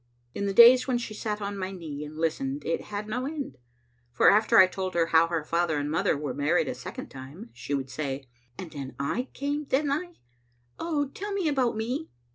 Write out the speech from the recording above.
In the days when she sat on my knee and listened it had no end, for after I told her how her father and mother were married a second time she would say, " And then I came, didn't I? Oh, tell me about me!"